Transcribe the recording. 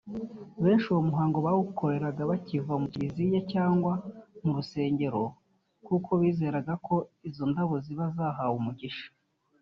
Benshi uwo muhango bawukoraga bakiva mu Kiliziya cyangwa mu rusengero kuko bizeraga ko izo ndabo ziba zahawe umugisha